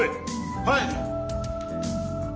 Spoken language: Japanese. はい！